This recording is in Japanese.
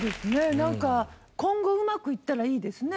なんか今後うまくいったらいいですね。